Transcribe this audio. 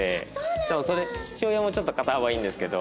多分それで父親もちょっと肩幅いいんですけど。